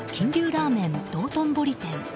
ラーメン道頓堀店。